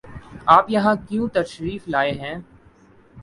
آپ یہاں کیوں تشریف لائے ہیں؟